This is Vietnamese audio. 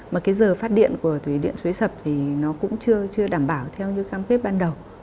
mà giờ phát điện của thủy điện xuế sập cũng chưa đảm bảo theo như khám phép ban đầu